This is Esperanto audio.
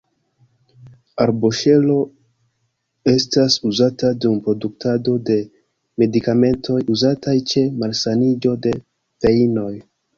Arboŝelo estas uzata dum produktado de medikamentoj, uzataj ĉe malsaniĝo de vejnoj.